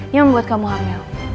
yang membuat kamu hamil